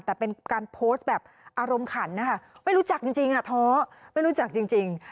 แต่เป็นการโพสต์แบบอารมณ์ขันนะคะไม่รู้จักจริงท้อไม่รู้จักจริง